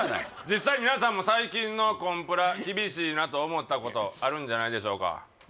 実際皆さんも最近のコンプラ厳しいなと思ったことあるんじゃないでしょうか